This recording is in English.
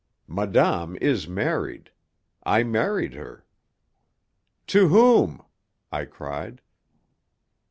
Madame is married. I married her " "To whom?" I cried.